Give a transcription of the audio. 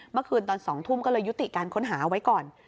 เมื่อคืนตอน๒ทุ่มก็เลยยุติการค้นหาไว้ก่อน